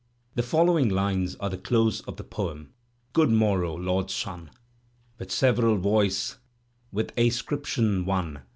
The following lines are the dose of the poem: Good morrow, lord Sun! With several voice, with ascription one.